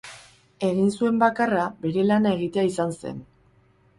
Egin zuen bakarra, bere lana egitea izan zen.